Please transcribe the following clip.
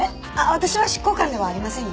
私は執行官ではありませんよ。